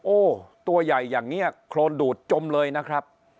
โอ้ตัวใหญ่อย่างนี้โครนดูดจมเลยนะครับ